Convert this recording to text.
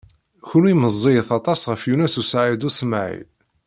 Kenwi meẓẓiyit aṭas ɣef Yunes u Saɛid u Smaɛil.